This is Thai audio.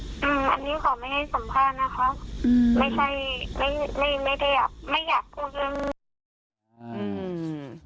ไม่อยากพูดเรื่องนี้